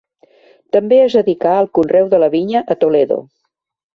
També es dedicà al conreu de la vinya a Toledo.